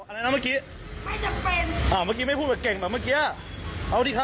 อะไรนะเมื่อกี้ไม่จำเป็นอ่าเมื่อกี้ไม่พูดแบบเก่งแบบเมื่อกี้เอาดิครับ